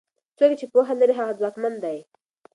څوک چې پوهه لري هغه ځواکمن دی.